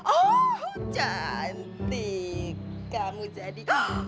oh cantik kamu jadi